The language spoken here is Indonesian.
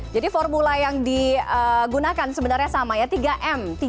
jadi formula yang digunakan sebenarnya sama ya tiga m